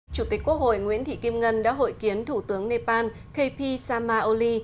chủ tịch quốc hội nguyễn thị kim ngân đã hội kiến thủ tướng nepal kp samaoli